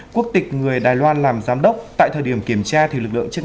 quốc tịch người đài loan làm giám đốc